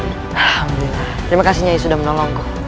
terima kasih nyai sudah menolongku